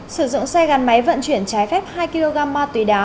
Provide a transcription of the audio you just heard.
sử dụng xe gắn máy vận chuyển trái phép hai kg ma túy đá